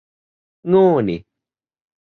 โง่นิ